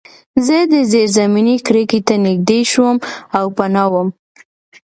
زه د زیرزمینۍ کړکۍ ته نږدې شوم او پناه وم